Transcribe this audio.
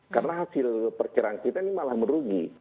karena hasil perciraan kita ini malah merugi